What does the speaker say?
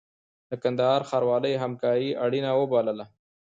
د کندهار ښاروالۍ همکاري اړینه وبلله.